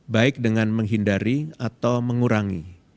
baik dengan menghindari atau mengurangi